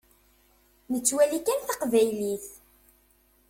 Nettwali kan taqbaylit.